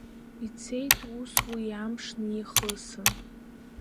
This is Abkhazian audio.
Ицеит ус уи амш нихысын.